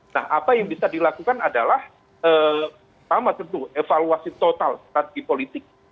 nah apa yang bisa dilakukan adalah sama tentu evaluasi total strategi politik